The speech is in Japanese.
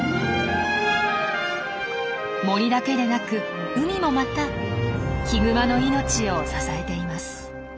森だけでなく海もまたヒグマの命を支えています。